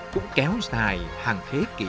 cũng kéo dài hàng thế kỷ